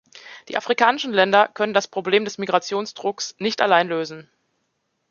Die afrikanischen Länder können das Problem des Migrationsdrucks nicht allein lösen.